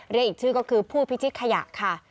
เรียกอีกชื่อก็คือผู้พิจิตขยะค่ะ